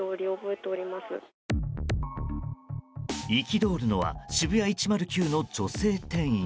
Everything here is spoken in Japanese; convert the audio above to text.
憤るのはＳＨＩＢＵＹＡ１０９の女性店員。